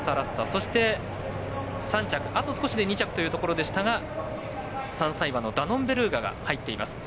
そして、３着、あと少しで２着というところでしたが３歳馬のダノンベルーガが入っています。